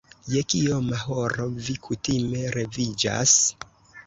Je kioma horo vi kutime leviĝas?